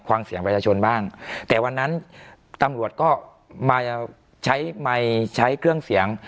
ฟังเสียงประชาชนบ้างแต่วันนั้นตำรวจก็มาใช้ไมค์ใช้เครื่องเสียง